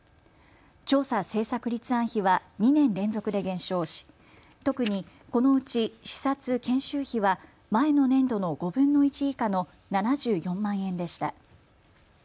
調査・政策立案費は２年連続で減少し、特にこのうち視察・研修費は前の年度の５分の１以下の７４万円でした。